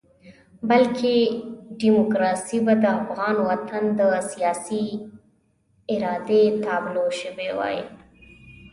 بلکې ډیموکراسي به د افغان وطن د سیاسي ارادې تابلو شوې وای.